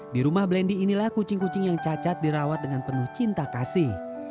di rumah blendy inilah kucing kucing yang cacat dirawat dengan penuh cinta kasih